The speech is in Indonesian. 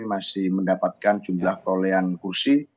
masih mendapatkan jumlah perolehan kursi